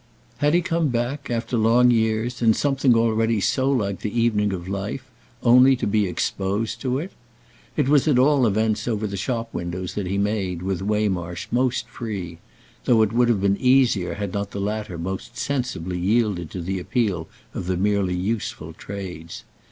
Had he come back after long years, in something already so like the evening of life, only to be exposed to it? It was at all events over the shop windows that he made, with Waymarsh, most free; though it would have been easier had not the latter most sensibly yielded to the appeal of the merely useful trades.